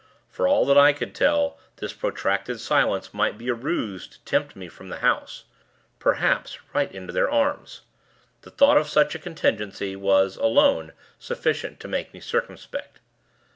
For all that I could tell, this protracted silence might be a ruse to tempt me from the house perhaps right into their arms. The thought of such a contingency, was, alone, sufficient to make me circumspect.